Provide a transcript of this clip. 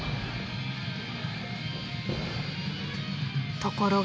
ところが。